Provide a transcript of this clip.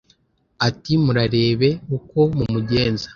Ati: " Murarebe uko mumugenza